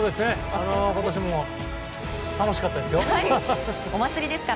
今年も楽しかったですよ。